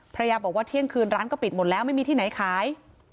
ภรรยาบอกว่าเที่ยงคืนร้านก็ปิดหมดแล้วไม่มีที่ไหนขาย